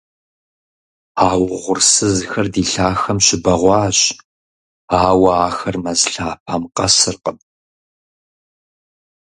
А угъурсызхэр ди лъахэм щыбэгъуащ, ауэ ахэр мэз лъапэм къэсыркъым.